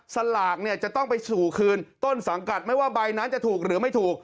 สลากเนี่ยจะต้องไปสู่คืนต้นสังกัดไม่ว่าใบนั้นจะถูกหรือไม่ถูก